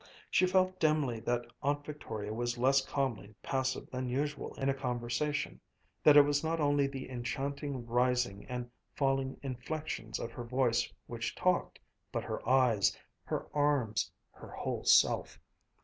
She felt dimly that Aunt Victoria was less calmly passive than usual in a conversation, that it was not only the enchanting rising and falling inflections of her voice which talked, but her eyes, her arms, her whole self.